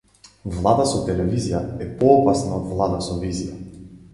Влада со телевизија е поопасна од влада со визија.